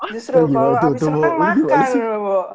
justru kalo abis renang makan lu bu